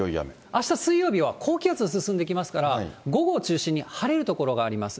あした水曜日は高気圧進んできますから、午後を中心に晴れる所があります。